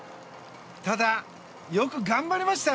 ただ、よく頑張りました。